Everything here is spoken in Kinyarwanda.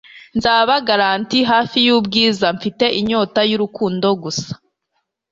nzaba gallant hafi y'ubwiza, mfite inyota y'urukundo gusa